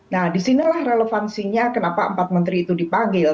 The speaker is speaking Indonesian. nah disinilah relevansinya kenapa empat menteri itu dipanggil